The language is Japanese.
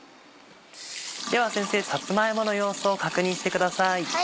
では先生さつま芋の様子を確認してください。